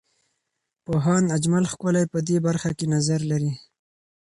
پوهاند اجمل ښکلی په دې برخه کې نظر لري.